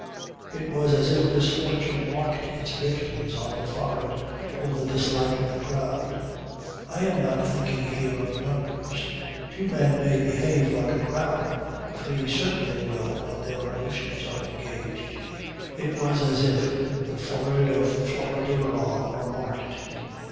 It was as if misfortune marked its victims on the forehead for the dislike of the crowd. I am not thinking here of numbers. Two men may behave like a crowd, three certainly will when their emotions are engaged. It was as if the forehead of Flora de Barral were marked.